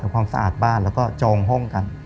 ความสะอาดบ้านแล้วก็จองห้องกัน